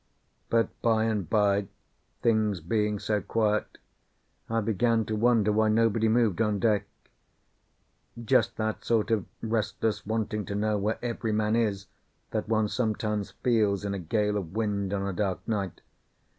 But by and by, things being so quiet, I began to wonder why nobody moved on deck; just that sort of restless wanting to know where every man is that one sometimes feels in a gale of wind on a dark night.